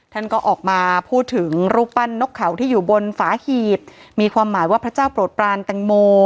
ท่านก็ออกมาพูดถึงรูปปั้นนกเขาที่อยู่บนฝาหีบมีความหมายว่าพระเจ้าโปรดปรานแตงโม